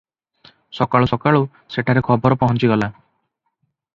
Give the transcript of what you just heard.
ସକାଳୁ ସକାଳୁ ସେଠାରେ ଖବର ପହଞ୍ଚିଗଲା ।